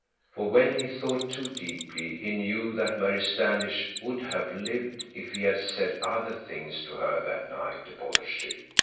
For when he thought too deeply, he knew that Mary Standish would have lived if he had said other things to her that night aboard the ship.